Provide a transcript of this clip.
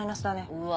うわ。